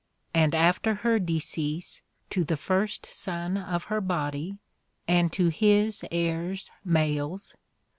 . and after her decease to the first sonne of her bodie ... and to (his) heires males